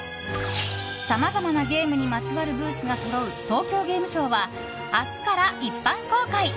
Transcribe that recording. さまざまなゲームにまつわるブースがそろう東京ゲームショウは明日から一般公開。